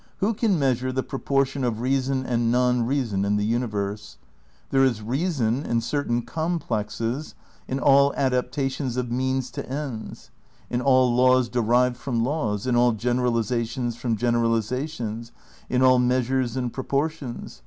Who can measure the pro portion of reason and non reason in the universe? There is reason in certain complexes, in aU adaptations of means to ends ; in all laws derived from laws, in all generalisations from generalisations, in all measures and proportions.